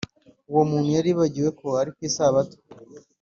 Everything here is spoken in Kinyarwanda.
uwo muntu yari yibagiwe ko ari ku Isabato